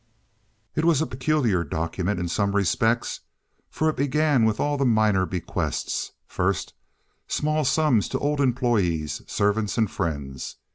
It was a peculiar document, in some respects, for it began with all the minor bequests; first, small sums to old employees, servants, and friends.